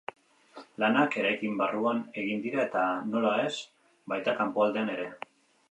Lanak eraikin barruan egin dira, eta nola ez, baita kanpoaldean ere.